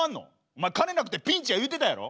お前金なくてピンチや言うてたやろ？